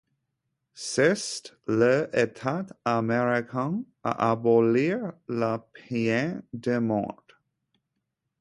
C’est le État américain à abolir la peine de mort.